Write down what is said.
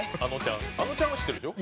あのちゃんは知ってるでしょ？